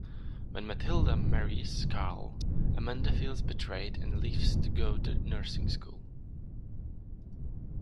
When Mathilda marries Carl, Amanda feels betrayed and leaves to go to nursing school.